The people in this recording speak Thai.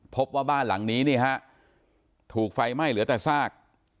พบว่าบ้านหลังนี้นี่ฮะถูกไฟไหม้เหลือแต่ซาก